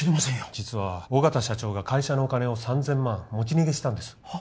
実は緒方社長が会社のお金を３０００万持ち逃げしたんですはっ！？